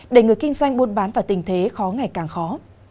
để người kinh doanh buôn bán vào tình thế khó ngày càng khó